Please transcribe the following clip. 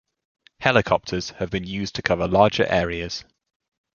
Helicopters have been used to cover larger areas.